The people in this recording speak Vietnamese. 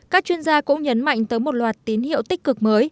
các chuyên gia cũng nhấn mạnh tới một loạt tín hiệu tích cực mới